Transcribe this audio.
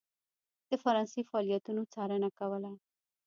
د فرانسې فعالیتونو څارنه کوله.